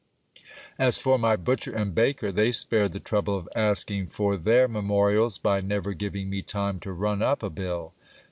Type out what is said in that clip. As for my butcher and baker, they spared the trouble of asking for their memorials, by never giving me time to run up a bill.